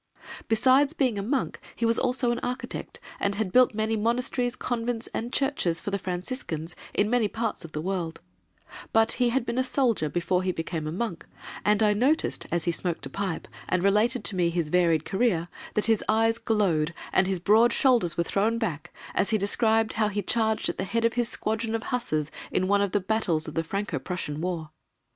Besides being a monk he was also an architect and had built many monasteries, convents, and churches for the Franciscans in many parts of the world; but he had been a soldier before he became a monk, and I noticed, as he smoked a pipe and related to me his varied career, that his eyes glowed, and his broad shoulders were thrown back, as he described how he charged at the head of his squadron of Hussars in one of the battles of the Franco Prussian War.